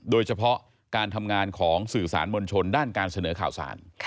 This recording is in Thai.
โดยเฉพาะการทำงานของสื่อสารมวลชนด้านการเสนอข่าวสาร